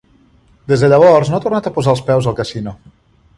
Des de llavors no ha tornat a posar els peus al casino.